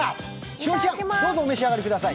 栞里ちゃん、どうぞお召し上がりください。